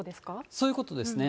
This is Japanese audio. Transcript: そういうことですね。